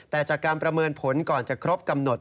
แต่จากการประเมินผลก่อนจะครบกำหนด